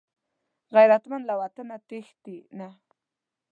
غیرتمند له وطنه تښتي نه